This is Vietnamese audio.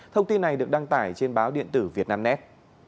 thông tin này được đăng tải trên báo điện tử vietnamnet